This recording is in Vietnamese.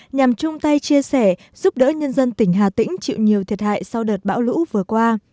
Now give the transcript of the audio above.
nhằm chung tay chia sẻ giúp đỡ nhân dân tỉnh hà tĩnh chịu nhiều thiệt hại sau đợt bão lũ vừa qua